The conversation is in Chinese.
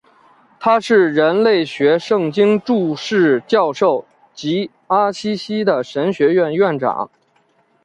他是人类学圣经注释教授及阿西西的神学院院长。